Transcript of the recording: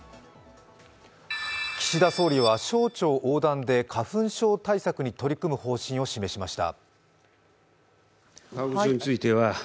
岸田総理は省庁横断で花粉症対策に取り組む方針を示しました。